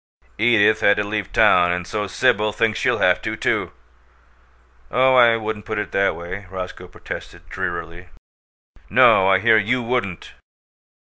"Edith had to leave town, and so Sibyl thinks she'll have to, too!" "Oh, I wouldn't put it that way," Roscoe protested, drearily. "No, I hear YOU wouldn't!"